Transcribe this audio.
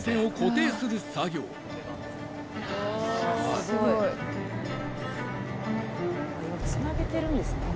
紂帖はる）つなげてるんですね。